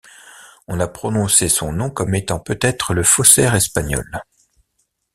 On a prononcé son nom comme étant peut être Le faussaire espagnol.